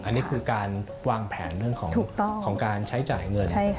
อันนี้คือการวางแผนเรื่องของการใช้จ่ายเงิน